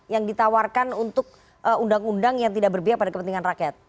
yang ditawarkan untuk undang undang yang tidak berpihak pada kepentingan rakyat